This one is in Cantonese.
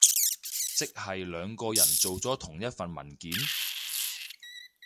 即係兩個人做咗同一份文件？